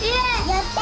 やった！